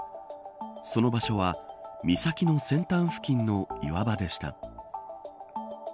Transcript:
その場所は岬の先端付近の岩場でした。